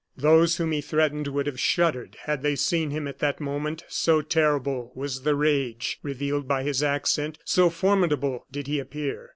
Those whom he threatened would have shuddered had they seen him at that moment, so terrible was the rage revealed by his accent, so formidable did he appear.